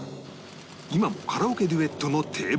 今もカラオケデュエットの定番